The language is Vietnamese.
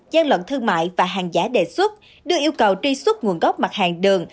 gian lận thương mại và hàng giá đề xuất đưa yêu cầu tri xuất nguồn gốc mặt hàng đường